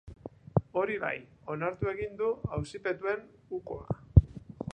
Hori bai, onartu egin du auzipetuen ukoa.